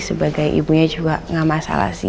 sebagai ibunya juga nggak masalah sih